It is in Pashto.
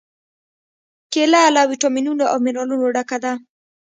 کېله له واټامینونو او منرالونو ډکه ده.